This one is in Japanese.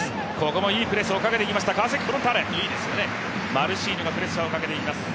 ここもいいプレスをかけてきました川崎フロンターレ、マルシーニョがプレッシャーをかけていきます。